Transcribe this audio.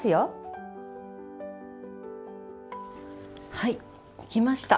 はいできました。